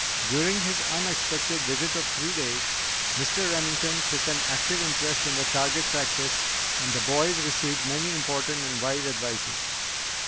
During his unexpected visit of three days, Mr. Remington took an active interest in the target practice and the boys received many important and wise advices.